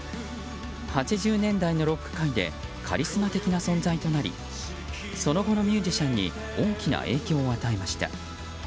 ８０年代のロック界でカリスマ的な存在となりその後のミュージシャンに大きな影響を与えました。